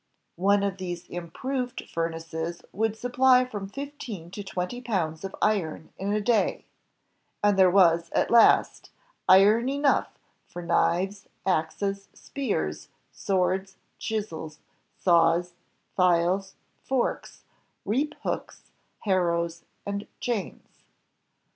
One of these improved furnaces would supply from fifteen to twenty pounds of iron in a day, and there was. at last, iron enough for knives, axes, spears, swords, chisels, saws, files, forks, reap hooks, harrows, and chains.